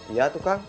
iya tuh kang